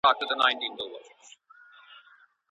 ولي کوښښ کوونکی د پوه سړي په پرتله ښه ځلېږي؟